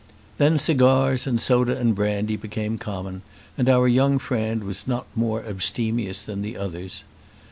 Then cigars and soda and brandy became common and our young friend was not more abstemious than others.